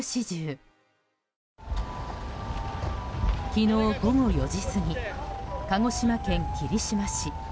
昨日午後４時過ぎ鹿児島県霧島市。